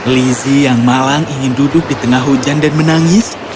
lizzie yang malang ingin duduk di tengah hujan dan menangis